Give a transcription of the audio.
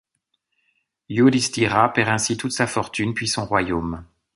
Yudhishthira perd ainsi toute sa fortune, puis son royaume.